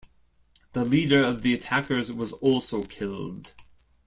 The leader of the attackers was also killed.